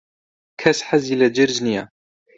کەس حەزی لە جرج نییە.